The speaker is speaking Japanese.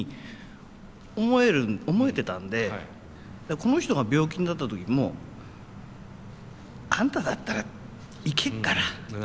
この人が病気になった時もあんただったらいけっから。